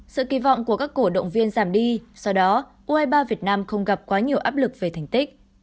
sự kỳ vọng của các cổ động viên giảm đi do đó u hai mươi ba việt nam không gặp quá nhiều áp lực về thành tích